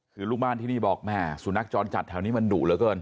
คือลูกบ้านที่นี่บอกแม่สุนัขจรจัดแถวนี้มันดุเหลือเกิน